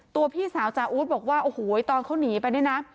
พี่สาวจาอู๊ดบอกว่าโอ้โหตอนเขาหนีไปเนี่ยนะ